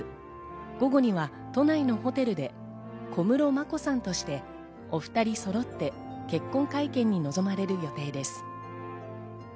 午後には都内のホテルで、小室まこさんとしてお２人そろって結婚会見に臨まれる予定です。